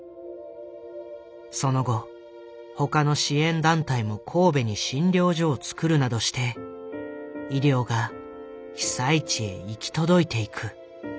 その後他の支援団体も神戸に診療所を作るなどして医療が被災地へ行き届いていく。